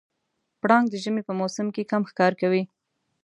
پړانګ د ژمي په موسم کې کم ښکار کوي.